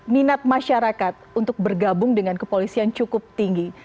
minat masyarakat untuk bergabung dengan kepolisian cukup tinggi